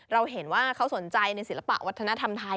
เราเห็นว่าเขาสนใจในศิลปะวัฒนธรรมไทย